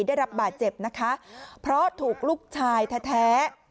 ได้รับบาดเจ็บนะคะเพราะถูกลูกชายแท้